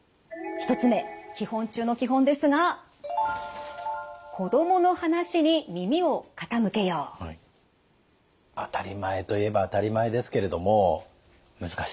１つ目基本中の基本ですが当たり前といえば当たり前ですけれども難しいですよ。